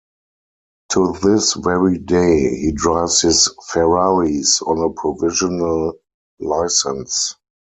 To this very day, he drives his Ferraris on a provisional license.